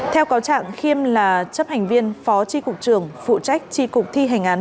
theo cáo trạng khiêm là chấp hành viên phó tri cục trường phụ trách tri cục thi hành án